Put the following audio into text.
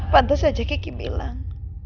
pantes aja kiki bilang